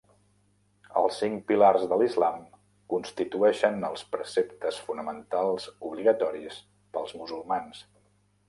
Els cinc pilars de l'islam constitueixen els preceptes fonamentals obligatoris pels musulmans.